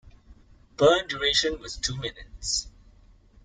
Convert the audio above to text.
Burn duration was two minutes.